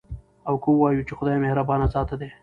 او که ووايو، چې خدايه مهربانه ذاته ده